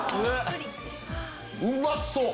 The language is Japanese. うまそう！